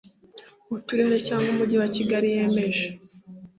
Uturere cyangwa Umujyi wa Kigali yemeje